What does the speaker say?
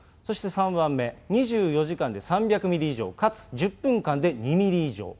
そして３番目、２４時間で３００ミリ以上、かつ１０分間で２ミリ以上。